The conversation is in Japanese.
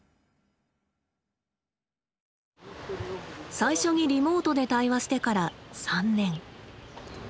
最初にリモートで対話してから３年。